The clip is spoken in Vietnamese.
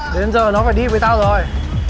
đến giờ nó phải đi với tao rồi